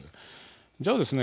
じゃあですね